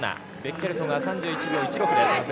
ベッケルトが３１秒１６です。